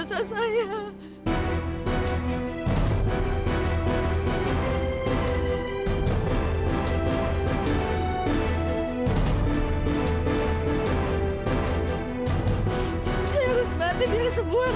saya juga semut